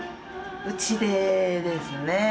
うちでですね。